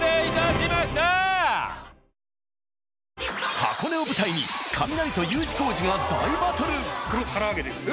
箱根を舞台にカミナリとＵ字工事が大バトル！